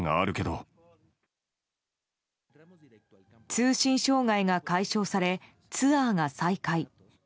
通信障害が解消されツアーが再開。